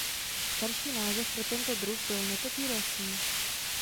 Starší název pro tento druh byl netopýr lesní.